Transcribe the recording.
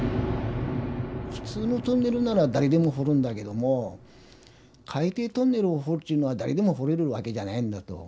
普通のトンネルなら誰でも掘るんだけども海底トンネルを掘るっちゅうのは誰でも掘れるわけじゃないんだと。